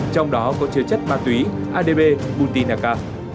trong đó có chứa chất ma túy adb butinaka